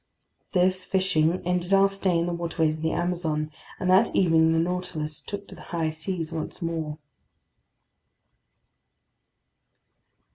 This fishing ended our stay in the waterways of the Amazon, and that evening the Nautilus took to the high seas once more.